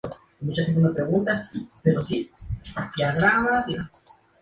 Abre todos los días del año, aunque los establecimientos comerciales tienen diferentes horarios.